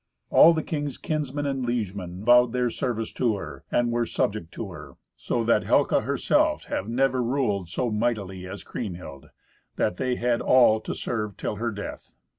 All the king's kinsmen and liegemen vowed their service to her, and were subject to her, so that Helca herself had never ruled so mightily as Kriemhild, that they had all to serve till her death.